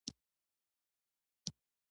بې غیرته امریکايي ایټالویه، ته ډېر بې حیا یې.